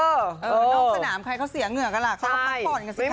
นอกสนามใครเขาเสียเหงื่อกันล่ะเขาก็พักผ่อนกันสิคะ